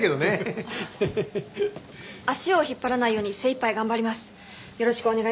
足を引っ張らないように精いっぱい頑張ります。